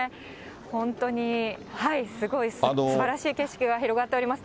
本当に、すごい、すばらしい景色が広がっております。